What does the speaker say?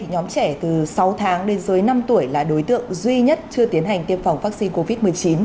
nhóm trẻ từ sáu tháng đến dưới năm tuổi là đối tượng duy nhất chưa tiến hành tiêm phòng vaccine covid một mươi chín